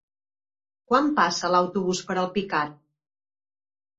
Quan passa l'autobús per Alpicat?